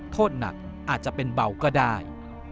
โทษหนักอาจจะเป็นเบาก็ได้